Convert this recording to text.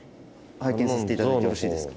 拝見させていただいてよろしいですか。